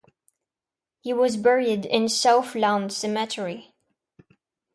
He was buried in South Lawn Cemetery.